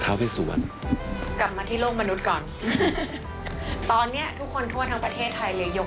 ตอนนี้ทุกคนทั่วทางประเทศไทยเลยยกให้พูดว่าเป็นฮีโร่ของคนไทย